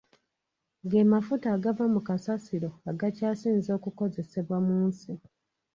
Ge mafuta agava mu kasasiro agakyasinze okukozesebwa mu nsi.